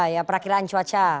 ya perakhiran cuaca